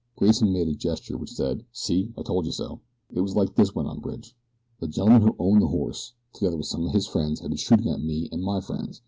Grayson made a gesture which said: "See, I told you so." "It was like this," went on Bridge. "The gentleman who owned the horse, together with some of his friends, had been shooting at me and my friends.